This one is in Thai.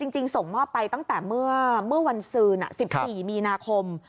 จริงส่งมอบไปตั้งแต่เมื่อวันซืน๑๔มีนาคม